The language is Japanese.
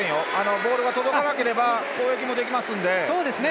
ボールが届かなければ攻撃もできますので。